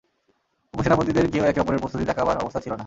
উপসেনাপতিদের কেউ একে অপরের প্রতি তাকাবার অবস্থা ছিল না।